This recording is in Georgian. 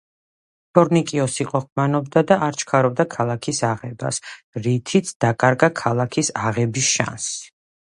თორნიკიოსი ყოყმანობდა და არ ჩქარობდა ქალაქის აღებას, რითიც დაკარგა ქალაქის აღების შანსი.